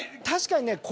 確かにね